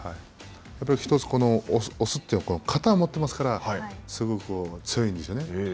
やっぱりこの１つ押すという型を持っていますからすごく強いんですね。